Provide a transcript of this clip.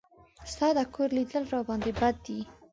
ستا د کور لیدل راباندې بد دي.